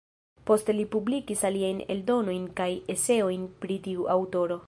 Poste li publikis aliajn eldonojn kaj eseojn pri tiu aŭtoro.